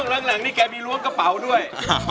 หลังนี่แกมีล้วงกระเป๋าด้วย